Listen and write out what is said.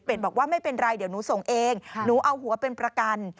เป็นบอกว่าไม่เป็นไรเดี๋ยวหนูส่งเองหนูเอาหัวเป็นประกัน